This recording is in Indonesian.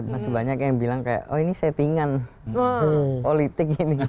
masih banyak yang bilang kayak oh ini settingan politik ini